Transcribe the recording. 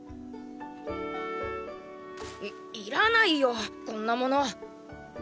いいらないよこんなもの。